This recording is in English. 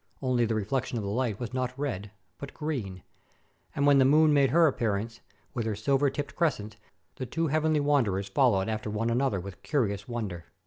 Only the reflection of the light was not red, but green; and when the moon made her appearance, with her silver tipped crescent, the two heavenly wanderers followed after one another with curious wonder.